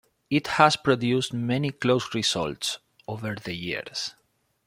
It has produced many close results over the years.